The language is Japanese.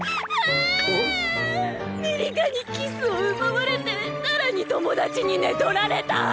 ミリカにキスを奪われて更に友達に寝取られた！